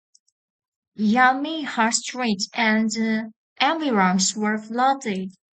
Nyamiha Street and environs were flooded.